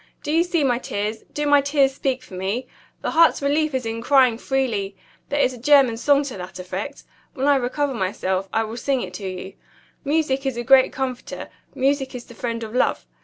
Do you see my tears? Do my tears speak for me? The heart's relief is in crying freely. There is a German song to that effect. When I recover myself, I will sing it to you. Music is a great comforter; music is the friend of love.